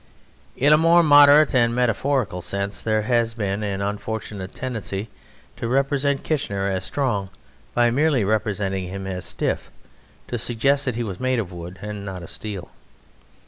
In a more moderate and metaphorical sense there has been an unfortunate tendency to represent Kitchener as strong by merely representing him as stiff to suggest that he was made of wood and not of steel.